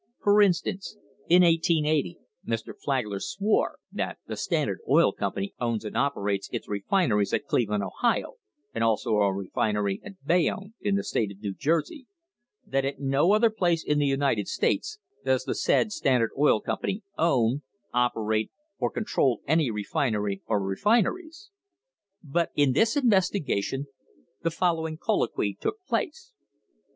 For instance, in 1880 Mr. Flagler swore that "the Standard Oil Company owns and operates its refineries at Cleveland, Ohio, and also a refin ery at Bayonne in the state of New Jersey. That at no other place in the United States does the said Standard Oil Com pany own, operate, or control any refinery or refineries." * But in this investigation the following colloquy took place : Q.